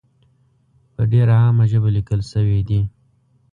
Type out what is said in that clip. په ډېره عامه ژبه لیکل شوې دي.